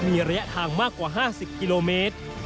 มีระยะทางมากกว่า๕๐กิโลเมตร